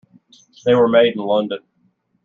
They were made in London.